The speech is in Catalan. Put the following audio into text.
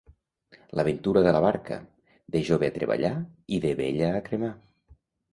La ventura de la barca: de jove a treballar i de vella a cremar.